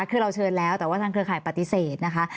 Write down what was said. คือเราเชิญแล้วแต่ว่าทางเครือข่ายปฏิเสธนะคะ